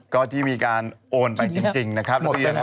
ก็ที่มีการโอนไปจริงนะครับ